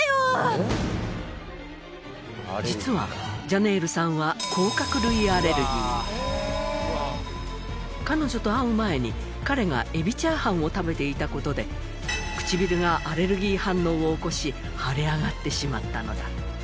実はジャネールさんは彼女と会う間に彼がエビチャーハンを食べていた事で唇がアレルギー反応を起こし腫れ上がってしまったのだ。